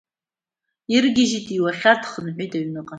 Иргьежьит иуахьад, дхынҳәит иҩныҟа.